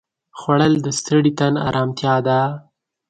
خوړل د ستړي تن ارامتیا ده